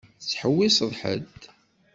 Tettḥewwiseḍ ḥedd?